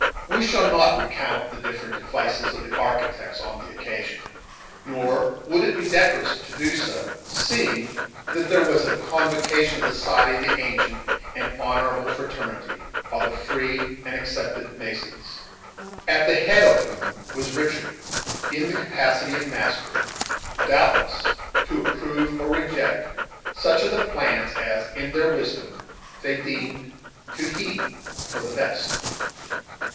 We shall not recount the different devices of the architects on the occasion; nor would it be decorous so to do, seeing that there was a convocation of the society of the ancient and honorable fraternity "of the Free and Accepted Masons," at the head of whom was Richard, in the capacity of master, doubtless to approve or reject such of the plans as, in their wisdom, they deemed to be for the best.